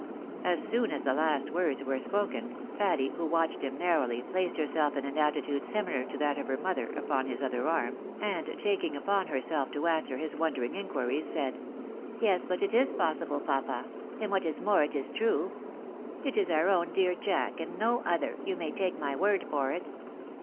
As Boon as the last words were spoken, Patty, who watched him narrowly, placed herself in an attitude similar to that of her mother, upon his other arm, and taking upon herself to answer his wondering inquiries, said, " Yes, but it is possible, papa ; and what is more, it is true. It is our own dear Jack, and no other, you may take my word for it."